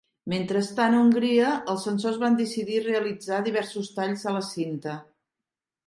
Mentrestant a Hongria, els censors van decidir realitzar diversos talls a la cinta.